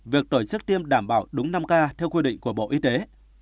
việc tổ chức tiêm đảm bảo đúng năm k theo quy định của bộ y tế